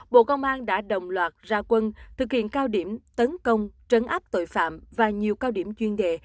bộ công an đã đồng loạt ra quân thực hiện cao điểm tấn công trấn áp tội phạm và nhiều cao điểm chuyên đề